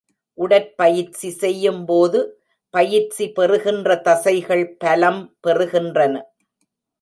உடற்பயிற்சி செய்யும் போது, பயிற்சி பெறுகின்ற தசைகள் பலம் பெறுகின்றன.